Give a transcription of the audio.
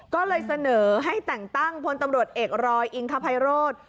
ก็เลยเสนอให้แต่งตั้งพลตำรวจเอกรอยอิงคภัยโรธ